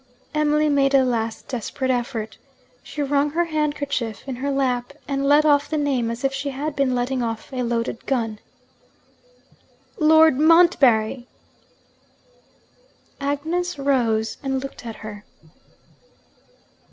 Emily made a last desperate effort. She wrung her handkerchief hard in her lap, and let off the name as if she had been letting off a loaded gun: 'Lord Montbarry!' Agnes rose and looked at her.